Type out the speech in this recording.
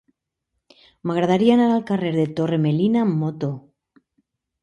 M'agradaria anar al carrer de Torre Melina amb moto.